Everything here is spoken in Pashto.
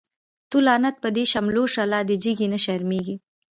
تو لعنت په دی شملو شه، لا دی جګی نه شرميږی